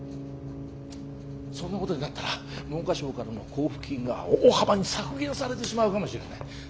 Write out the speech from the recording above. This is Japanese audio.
そんなことになったら文科省からの交付金が大幅に削減されてしまうかもしれない。